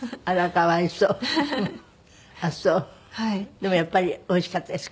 でもやっぱりおいしかったですか？